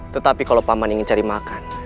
tetapi kalau paman ingin cari makan